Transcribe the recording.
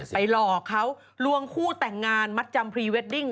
หลอกเขาลวงคู่แต่งงานมัดจำพรีเวดดิ้ง